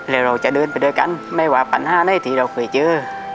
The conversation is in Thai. แล้วเราจะเดินไปด้วยกันไม่ว่าปัญหาใดที่เราเคยเจอ